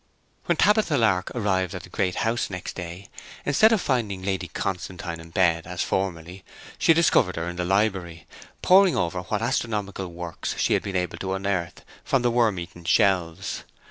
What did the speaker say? When Tabitha Lark arrived at the Great House next day, instead of finding Lady Constantine in bed, as formerly, she discovered her in the library, poring over what astronomical works she had been able to unearth from the worm eaten shelves.